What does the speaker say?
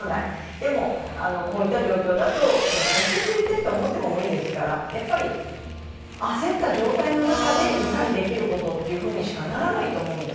でも、こういった状況だと、落ち着いてと思っても無理ですから、やっぱり焦った状態の中でいかにできることをということにしかならないと思うんです。